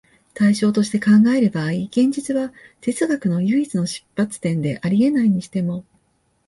対象として考える場合、現実は哲学の唯一の出発点であり得ないにしても、